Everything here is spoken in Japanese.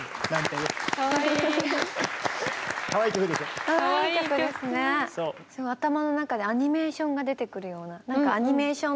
頭の中でアニメーションが出てくるような。